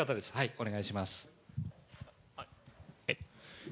お願いします。